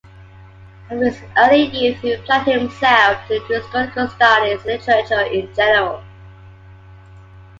From his early youth he applied himself to historical studies and literature in general.